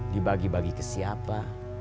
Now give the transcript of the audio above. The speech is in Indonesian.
dibagi bagi ke siapa